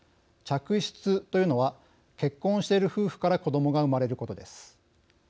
嫡出というのは結婚している夫婦から子どもが生まれることです。